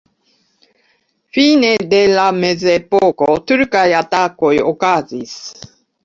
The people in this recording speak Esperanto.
Fine de la mezepoko turkaj atakoj okazis.